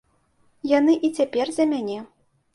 Яны і цяпер за мяне.